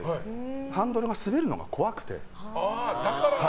ハンドルが滑るのが怖くて。